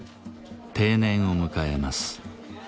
定年を迎えます。